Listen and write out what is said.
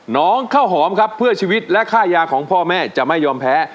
น้องข้าวหอมครับเพื่อชีวิตและค่ายาของพ่อแม่จะไม่ยอมแพ้